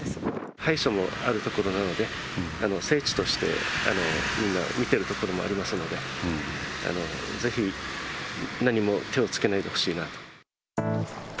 拝所もある所なんで、聖地として、みんな見てるところもありますので、ぜひ何も手をつけないでほしいなと。